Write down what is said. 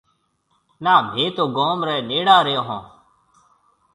نا مهيَ تو گوم ريَ نيڙا رهيو هون۔